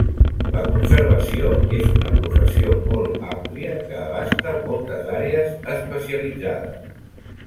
La conservació és una professió molt àmplia que abasta moltes àrees especialitzades.